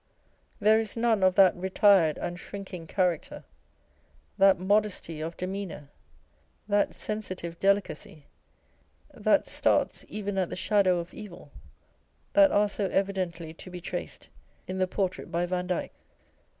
There is none of that retired and shrinking character, that modesty of demeanour, that sensitive delicacy, that starts even at the shadow of evilâ€" that are so evidently to be traced in the portrait by Vandyke.